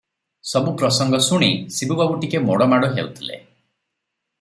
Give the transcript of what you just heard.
ସବୁ ପ୍ରସଙ୍ଗ ଶୁଣି ଶିବୁ ବାବୁ ଟିକିଏ ମୋଡ଼ ମାଡ଼ ହେଉଥିଲେ ।